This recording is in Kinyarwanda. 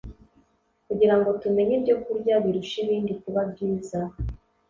kugira ngo tumenye ibyokurya birusha ibindi kuba byiza